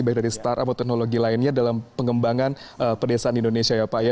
baik dari startup atau teknologi lainnya dalam pengembangan pedesaan di indonesia ya pak ya